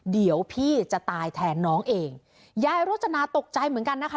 เดี๋ยวพี่จะตายแทนน้องเองยายโรจนาตกใจเหมือนกันนะคะ